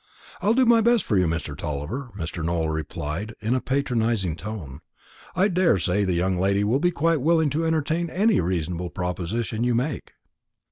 "I'll do my best for you, Tulliver," Mr. Nowell replied, in a patronising tone. "I daresay the young lady will be quite willing to entertain any reasonable proposition you may make."